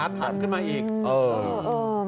อาจจะเป็นอัตภัณฑ์ขึ้นมาอีก